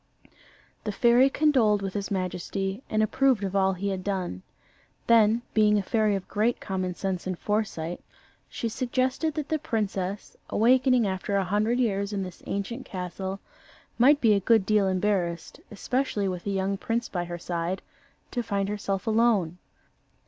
The fairy condoled with his majesty, and approved of all he had done. Then, being a fairy of great common sense and foresight, she suggested that the princess, awakening after a hundred years in this ancient castle, might be a good deal embarrassed, especially with a young prince by her side, to find herself alone.